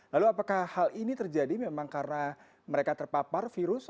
lalu apakah hal ini terjadi memang karena mereka terpapar virus